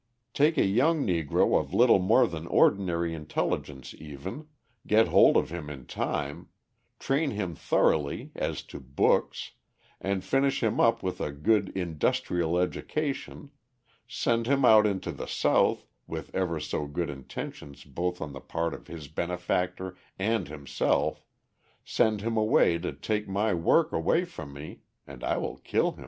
Take a young Negro of little more than ordinary intelligence, even, get hold of him in time, train him thoroughly as to books, and finish him up with a good industrial education, send him out into the South with ever so good intentions both on the part of his benefactor and himself, send him to take my work away from me and I will kill him.